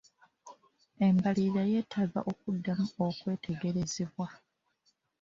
Embalirira yeetaaga okuddamu okwetegerezebwa.